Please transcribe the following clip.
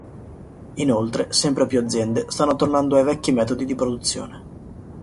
Inoltre sempre più aziende stanno tornando ai vecchi metodi di produzione.